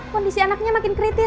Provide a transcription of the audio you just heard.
kondisi anaknya makin kritis